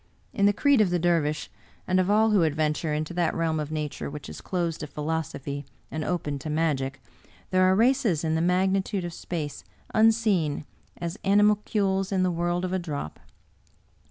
In the creed of the Dervish, and of all who adventure into that realm of Nature which is closed to philosophy and open to magic, there are races in the magnitude of space unseen as animalcules in the world of a drop.